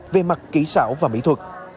về mặt kỹ xảo và mỹ thuật